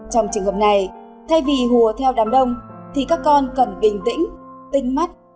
trong trường hợp này thay vì hùa theo đám đông thì các con cần bình tĩnh tinh mắt